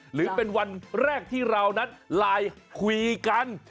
หรือเป็นวันแรกที่เรานั้นไลน์คุยกัน